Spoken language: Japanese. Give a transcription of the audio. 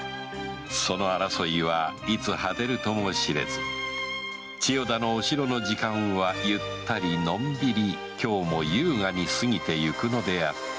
その争いはいつ果てるとも知れず千代田のお城の時間はゆったりのんびり今日も優雅に過ぎていくのであった